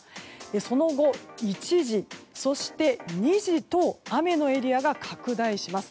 その後、１時、そして２時と雨のエリアが拡大します。